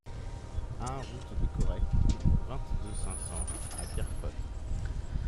un route de Correc, vingt-deux, cinq cents à Kerfot